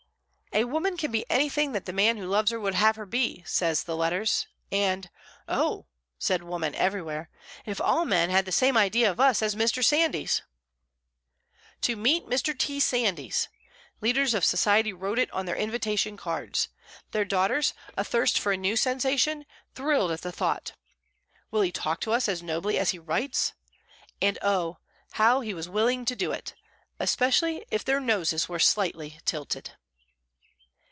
"A woman can be anything that the man who loves her would have her be," says the "Letters"; and "Oh," said woman everywhere, "if all men had the same idea of us as Mr. Sandys!" "To meet Mr. T. Sandys." Leaders of society wrote it on their invitation cards. Their daughters, athirst for a new sensation, thrilled at the thought, "Will he talk to us as nobly as he writes?" And oh, how willing he was to do it, especially if their noses were slightly tilted!